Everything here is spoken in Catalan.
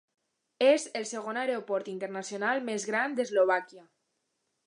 És el segon aeroport internacional més gran d'Eslovàquia.